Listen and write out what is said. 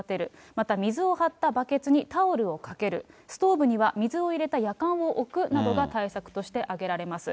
また水を張ったバケツにタオルをかける、ストーブには水を入れたやかんを置くなどが対策として挙げられます。